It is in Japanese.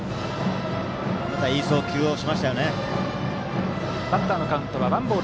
また、いい送球をしましたよね。